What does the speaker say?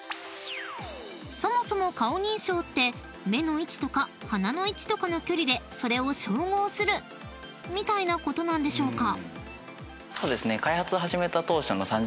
［そもそも顔認証って目の位置とか鼻の位置とかの距離でそれを照合するみたいなことなんでしょうか？］